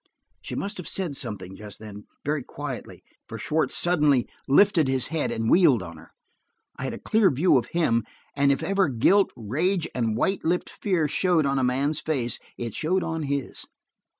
She must have said something just then, very quietly, for Schwartz suddenly lifted his head and wheeled on her. I had a clear view of him, and if ever guilt, rage, and white lipped fear showed on a man's face, it showed on his.